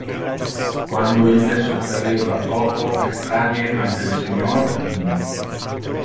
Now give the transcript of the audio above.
Quando illes offereva foco estranie ante le Senior in